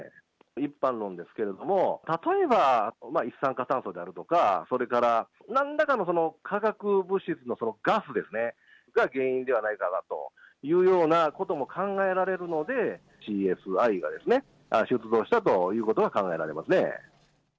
一般論ですけれども、例えば一酸化炭素であるとか、それから、なんらかのその化学物質のガスですね、が、原因ではないかなというようなことも考えられるので、ＣＳＩが出動したということは考えられますね。